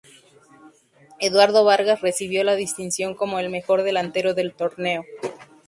Eduardo Vargas recibió la distinción como el mejor delantero del torneo.